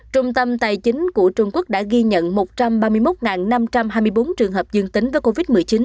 trung tâm tài chính của trung quốc đã ghi nhận một trăm ba mươi một năm trăm hai mươi bốn trường hợp dương tính với covid một mươi chín